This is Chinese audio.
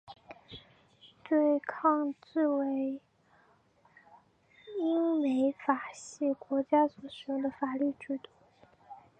对抗制为英美法系国家所使用的法律制度。